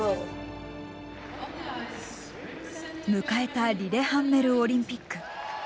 迎えたリレハンメルオリンピック。